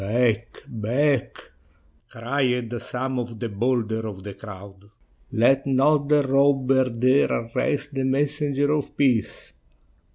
"Back, back!" cried some of the bolder of the crowd; "let not the robber dare arrest the Messenger of Peace."